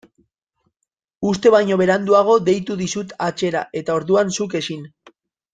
Uste baino beranduago deitu dizut atzera eta orduan zuk ezin.